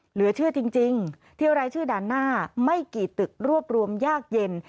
เหลือชื่อจริงเที่ยวรายชื่อด่านหน้าไม่กี่ตึกรวบรวมยากเย็น